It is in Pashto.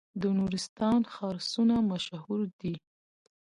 د نورستان خرسونه مشهور دي